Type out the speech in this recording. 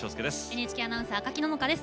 ＮＨＫアナウンサー赤木野々花です。